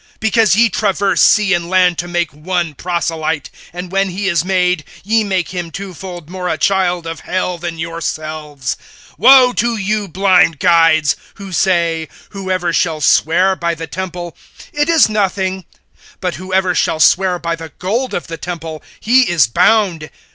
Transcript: because ye traverse sea and land to make one proselyte, and when he is made, ye make him twofold more a child of hell than yourselves. (16)Woe to you, blind guides, who say: Whoever shall swear by the temple, it is nothing; but whoever shall swear by the gold of the temple, he is bound.